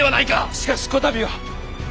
しかしこたびは！